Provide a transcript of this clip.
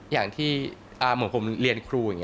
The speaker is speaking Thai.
อย่างที่เหมือนผมเรียนครูอย่างนี้